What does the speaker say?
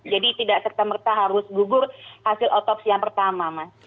jadi tidak setempat harus gugur hasil otopsi yang pertama mas